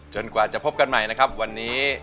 กว่าจะพบกันใหม่นะครับวันนี้